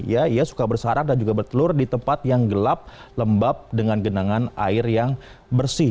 ia suka bersarat dan juga bertelur di tempat yang gelap lembab dengan genangan air yang bersih